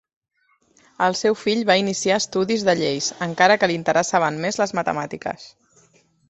El seu fill va iniciar estudis de Lleis, encara que li interessaven més les matemàtiques.